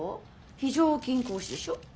非常勤講師でしょ？